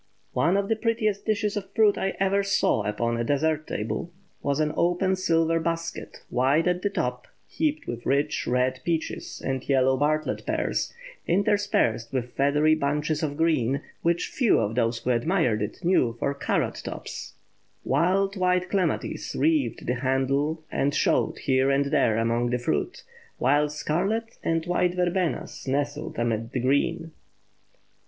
One of the prettiest dishes of fruit I ever saw upon a dessert table was an open silver basket, wide at the top, heaped with rich red peaches and yellow Bartlett pears, interspersed with feathery bunches of green, which few of those who admired it knew for carrot tops. Wild white clematis wreathed the handle and showed here and there among the fruit, while scarlet and white verbenas nestled amid the green.